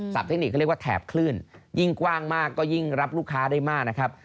เทคนิคก็เรียกว่าแถบคลื่นยิ่งกว้างมากก็ยิ่งรับลูกค้าได้มากนะครับ